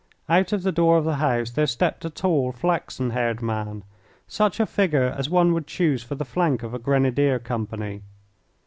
Out of the door of the house there stepped a tall, flaxen haired man, such a figure as one would choose for the flank of a Grenadier company.